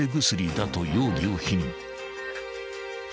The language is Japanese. ［だと容疑を否認］